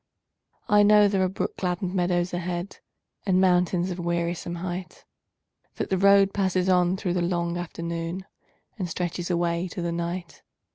I know there are brook gladdened meadows ahead, And mountains of wearisome height; That the road passes on through the long afternoon And stretches away to the night.